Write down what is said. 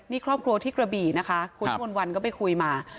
นี่ครอบครัวที่กระบี่นะคะคุณวิมวลวันก็ไปคุยมา